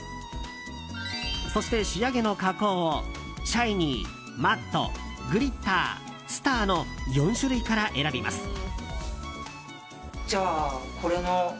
そして仕上げの加工をシャイニー、マットグリッター、スターの４種類から選びます。